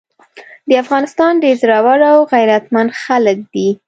د افغانستان ډير زړور او غيرتمن خلګ دي۔